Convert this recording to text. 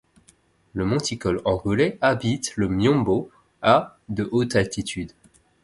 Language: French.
Le monticole angolais habite le Miombo à de hautes altitudes.